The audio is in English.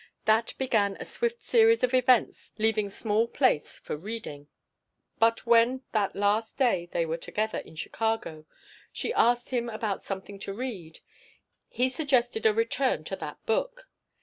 That began a swift series of events leaving small place for reading. But when, that last day they were together in Chicago, she asked him about something to read, he suggested a return to that book.